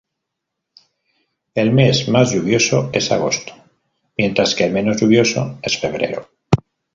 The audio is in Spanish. El mes más lluvioso es agosto, mientras que el menos lluvioso es febrero.